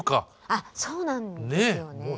あっそうなんですよね。